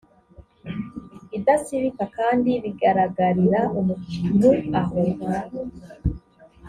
idasibika kandi bigararagarira umuntu aho